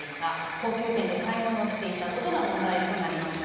高級店で買い物をしていたことが問題視となりました。